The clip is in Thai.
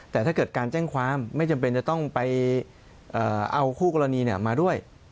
แต่ถ้าเกิดการแจ้งความไม่จำเป็นจะต้องไปเอาคู่กรณีมาด้วย